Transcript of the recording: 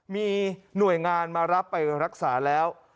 มีหน่วยงานมารับไปรักษาแล้ว